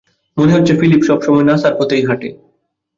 মনে হচ্ছে ফিলিপ সবসময় নাসার পথেই হাঁটে।